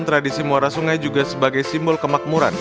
tradisi muara sungai juga sebagai simbol kemakmuran